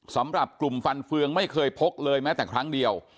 สำหรับกลุ่มฟันเฟืองไม่เคยพกเลยแม้แต่ครั้งเดียว